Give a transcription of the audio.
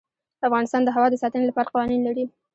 افغانستان د هوا د ساتنې لپاره قوانین لري.